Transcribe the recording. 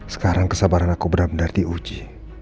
sekarang kesabaran aku benar benar diuji